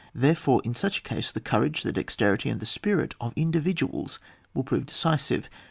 Therefore in such a case the courage, the dexterity, and the spirit of individuals will prova decisive.